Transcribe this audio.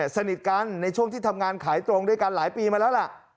สนิทกันในช่วงที่ทำงานขายตรงด้วยกันหลายปีมาแล้วล่ะ